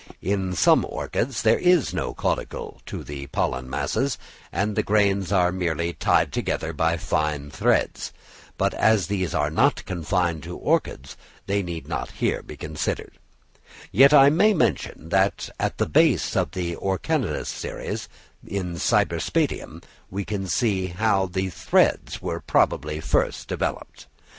In some orchids there is no caudicle to the pollen masses, and the grains are merely tied together by fine threads; but as these are not confined to orchids, they need not here be considered; yet I may mention that at the base of the orchidaceous series, in Cypripedium, we can see how the threads were probably first developed.